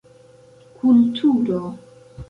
Kulturo: